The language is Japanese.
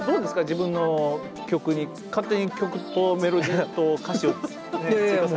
自分の曲に勝手に曲とメロディーと歌詞を追加されてますが。